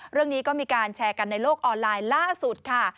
เรื่องนี้ก็มีการแชร์กันในโลกออนไลน์ล่าสุดค่ะ